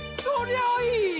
そりゃいい！